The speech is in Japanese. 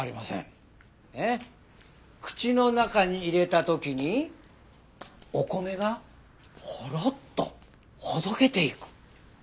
口の中に入れた時にお米がホロッとほどけていく。